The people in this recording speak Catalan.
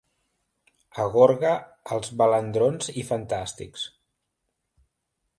A Gorga, els balandrons i fantàstics.